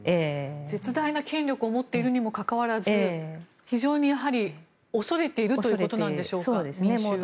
絶大な権力を持っているにもかかわらず非常に恐れているということなんでしょうか、民衆を。